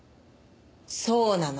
そうなの。